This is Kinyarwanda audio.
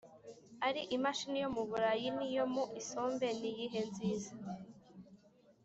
Ari imashini yo mu Burayi niyo mu isombe niyihe nziz